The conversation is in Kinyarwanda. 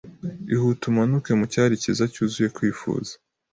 Ihute umanuke mucyari cyiza cyuzuye kwifuza